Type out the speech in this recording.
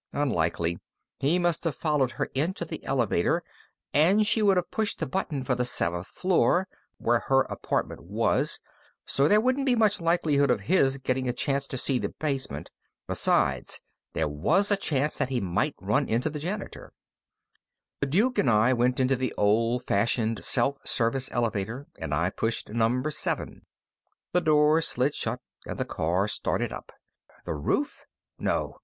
Unlikely. He must have followed her into the elevator, and she would have pushed the button for the seventh floor, where her apartment was, so there wouldn't be much likelihood of his getting a chance to see the basement. Besides, there was a chance that he might run into the janitor. The Duke and I went into the old fashioned self service elevator, and I pushed number seven. The doors slid shut, and the car started up. The roof? No.